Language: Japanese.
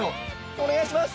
お願いします